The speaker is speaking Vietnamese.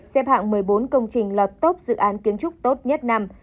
xếp hạng một mươi bốn công trình lọt tốt dự án kiến trúc tốt nhất năm